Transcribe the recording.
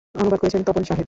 অনুবাদ করেছেন তপন শাহেদ।